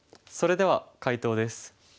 それでは解答です。